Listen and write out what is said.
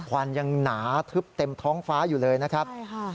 ควันยังหนาทึบเต็มท้องฟ้าอยู่เลยนะครับใช่ค่ะ